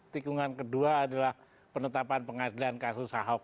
tikungan kedua adalah penetapan pengadilan kasus ahok